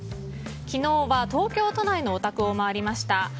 昨日は東京都内のお宅を回りました。